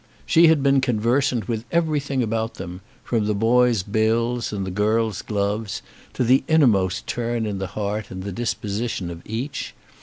She had been conversant with everything about them, from the boys' bills and the girl's gloves to the innermost turn in the heart and the disposition of each.